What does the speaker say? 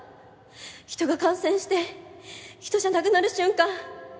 人が感染して人じゃなくなる瞬間。